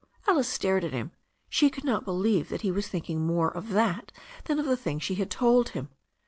Alice stared at him. She could not believe that he was thinking more of that than of the thing she had told him.